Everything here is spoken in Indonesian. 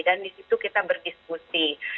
dan di situ kita berdiskusi